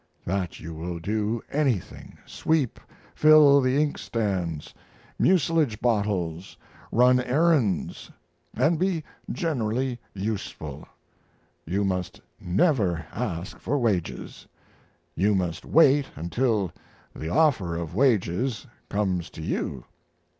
That you will do anything, sweep, fill the inkstands, mucilage bottles, run errands, and be generally useful. You must never ask for wages. You must wait until the offer of wages comes to you.